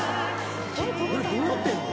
どうなってんの？